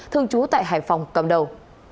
thương chú tại hải phòng cầm đầu